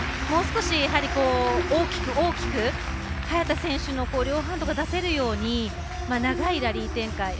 もう少し大きく大きく早田選手の両ハンドが出せるように長いラリー展開。